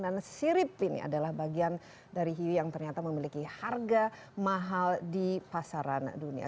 dan sirip ini adalah bagian dari hiu yang ternyata memiliki harga mahal di pasaran dunia